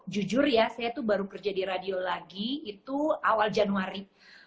jujur ya saya tuh baru kerja di radio lagi itu awal januari